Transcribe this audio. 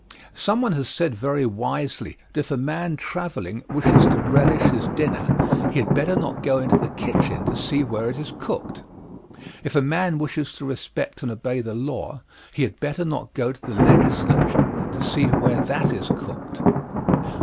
Someone has said very wisely, that if a man traveling wishes to relish his dinner he had better not go into the kitchen to see where it is cooked; if a man wishes to respect and obey the law, he had better not go to the Legislature to see where that is cooked.